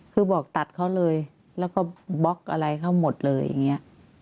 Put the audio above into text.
คือบอกตัดเขาเลยแล้วก็บล็อกอะไรเขาหมดเลยอย่างนี้